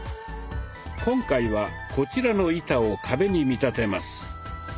今回はこちらの板を壁に見立てます。